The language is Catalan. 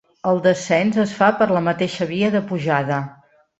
El descens es fa per la mateixa via de pujada.